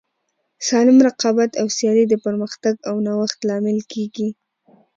سالم رقابت او سیالي د پرمختګ او نوښت لامل کیږي.